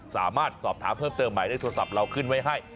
สามารถสอบถามเพิ่มเติมหมายได้โทรศัพท์เราขึ้นไว้ให้